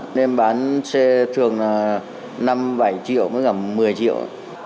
bọn em bán xe thường là năm bảy triệu có cả một mươi triệu